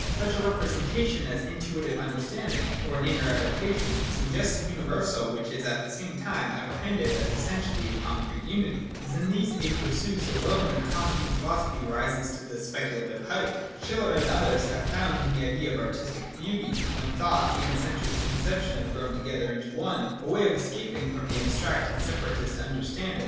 Such a representation, as an Intuitive Understanding, or an inner adaptation, suggests a universal which is at the same time apprehended as essentially a concrete unity. It is in these aperjus alone that the Kantian philosophy rises to the speculative height. Schiller, and others, have found in the idea of artistic beauty, where thought and sensuous conception have grown together into one, a way of escape from the abstract and separatist under standing.